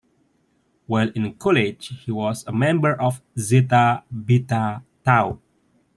While in college he was a member of Zeta Beta Tau.